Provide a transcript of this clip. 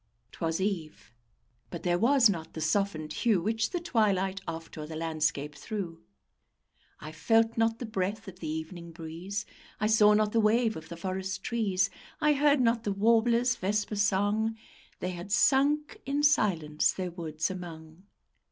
'Twas eve; but there was not the softened hue Which the twilight oft o'er the landscape threw: I felt not the breath of the evening breeze; I saw not the wave of the forest trees; I heard not the warbler's vesper song; They had sunk in silence their woods among.